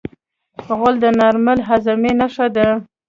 غول د نارمل هاضمې نښه ده.